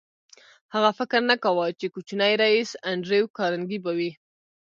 هغه فکر نه کاوه چې کوچنی ريیس انډریو کارنګي به وي